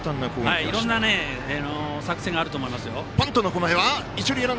いろんな作戦があると思いますよ。